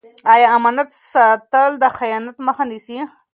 آیا امانت ساتل د خیانت مخه نیسي؟